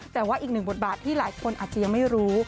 แต่ว่าอีกหนึ่งบทบาทที่หลายคนอาจจะยังไม่รู้